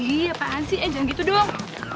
iya kan sih eh jangan gitu dong